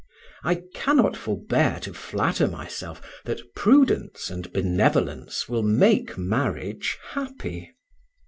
I cannot forbear to flatter myself that prudence and benevolence will make marriage happy.